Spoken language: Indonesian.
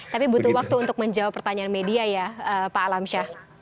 tapi butuh waktu untuk menjawab pertanyaan media ya pak alamsyah